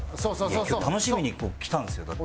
いや今日楽しみにここ来たんですよだって。